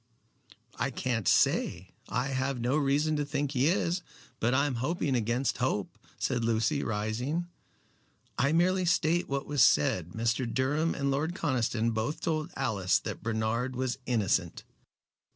"I can't say. I have no reason to think he is. But I am hoping against hope," said Lucy, rising. "I merely state what was said. Mr. Durham and Lord Conniston both told Alice that Bernard was innocent."